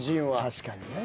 確かにねぇ。